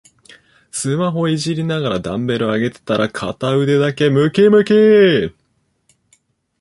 スマホいじりながらダンベル上げてたら片腕だけムキムキ